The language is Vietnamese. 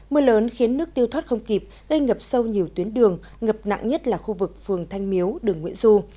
mưa lớn khiến nước tiêu thoát không kịp gây ngập sâu nhiều tuyến đường ngập nặng nhất là khu vực phường thanh miếu đường nguyễn du